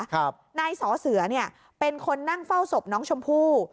นายสอเสือเนี่ยเป็นคนนั่งเฝ้าศพน้องชมพู่